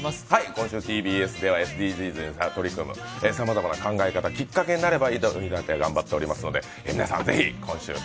今週、ＴＢＳではＳＤＧｓに取り組むさまざまな考え方、きっかけになればいいと思ってやっていますので皆さんぜひ今週ＳＤＧｓ